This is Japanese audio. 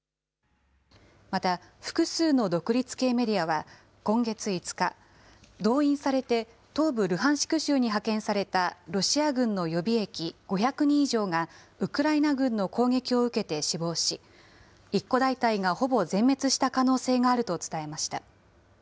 また複数の独立系メディアは、今月５日、動員されて東部ルハンシク州に派遣されたロシア軍の予備役５００人以上がウクライナ軍の攻撃を受けて死亡し、一個大隊がほぼ全滅した可能性があると伝えました。